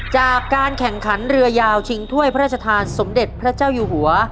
จากการแข่งขันเรือยาวชิงถ้วยพระราชทานสมเด็จพระเจ้าอยู่หัว